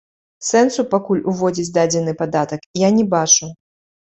Сэнсу пакуль уводзіць дадзены падатак я не бачу.